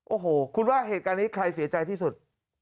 โอ้โหคุณว่าเหตุการณ์นี้ใครเสียใจที่สุด